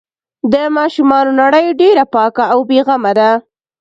د ماشومانو نړۍ ډېره پاکه او بې غمه ده.